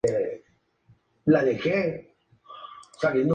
Esta erosión diferencial formó los bordes lineales de la cordillera de Zagros.